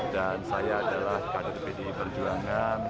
dan saya adalah kader bdi perjuangan